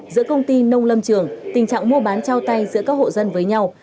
giữa công ty nông lâm trường tình trạng mua bán trao tay giữa các hộ dân với nhau